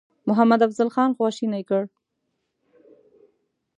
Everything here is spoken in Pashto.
محمدافضل خان خواشینی کړ.